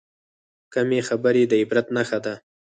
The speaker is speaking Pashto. کمې خبرې، د عبرت نښه ده.